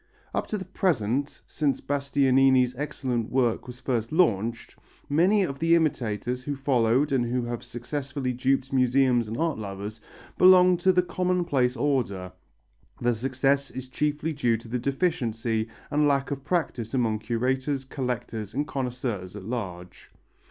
Up to the present, since Bastianini's excellent work was first launched, many of the imitators who followed and who have successfully duped museums and art lovers, belong to the commonplace order. Their success is chiefly due to the deficiency and lack of practice among curators, collectors and connoisseurs at large.